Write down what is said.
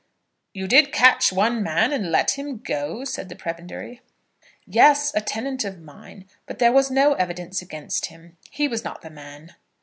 "You did catch one man, and let him go?" said the Prebendary. "Yes; a tenant of mine; but there was no evidence against him. He was not the man."